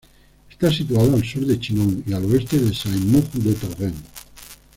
Está situada al sur de Chinon y al oeste de Sainte-Maure-de-Touraine.